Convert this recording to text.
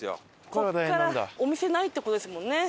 ここからお店ないって事ですもんね。